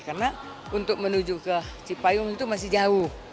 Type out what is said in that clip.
karena untuk menuju ke cipayung itu masih jauh